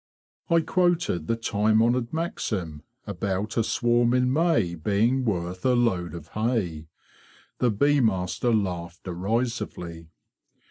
I quoted the time honoured maxim about a swarm in May being worth a load of hay. The bee master laughed derisively.